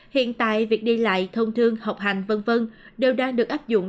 hiện tại việc đi lại thông thương học hành v v đều đang được áp dụng